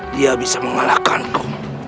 dia bisa mengalahkanmu